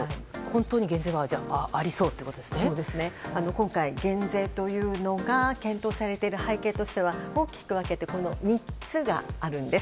今回減税というのが検討されている背景としては大きく分けて３つがあります。